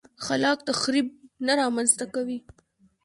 خلاق تخریب نه رامنځته کوي.